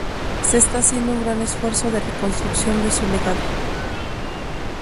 se está haciendo un gran esfuerzo de reconstrucción de su legado